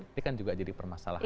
ini kan juga jadi permasalahan